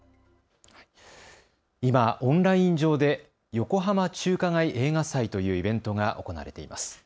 今、オンライン上で横浜中華街映画祭というイベントが行われています。